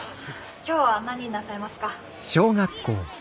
今日は何になさいますか？